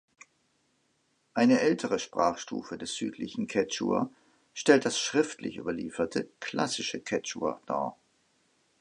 Eine ältere Sprachstufe des Südlichen Quechua stellt das schriftlich überlieferte Klassische Quechua dar.